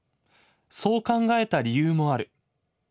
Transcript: そう考えた理由もある。